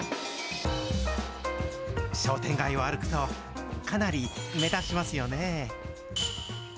商店街を歩くと、かなり目立ちますよね。